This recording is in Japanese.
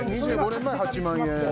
２０年前は８万円。